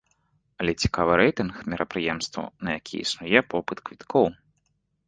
Але цікавы рэйтынг мерапрыемстваў, на якія існуе попыт квіткоў.